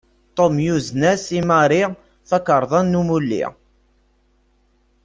Tom yuzen-as i Mary takarḍa n umulli.